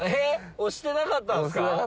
押してなかったです。